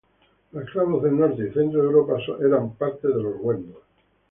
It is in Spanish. Los eslavos del Norte y Centro de Europa eran parte de los wendos.